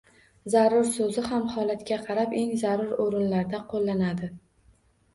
“Zarur” so‘zi ham holatga qarab, eng zarur o‘rinlarda qo‘llanadi.